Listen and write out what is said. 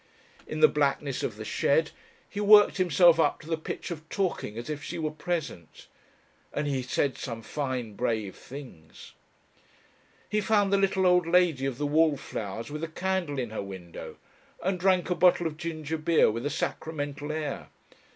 In the blackness of the shed he worked himself up to the pitch of talking as if she were present. And he said some fine brave things. He found the little old lady of the wallflowers with a candle in her window, and drank a bottle of ginger beer with a sacramental air.